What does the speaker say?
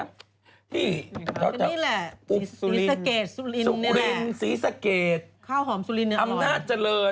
นี่แหละสีสะเกดสุลินสีสะเกดอำนาจเจริญ